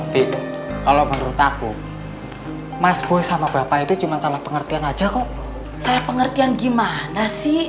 bikin aku jantung ke jempol jantungnya